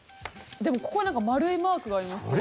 でも、ここになんか丸いマークがありますけど。